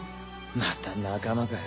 また仲間かよ。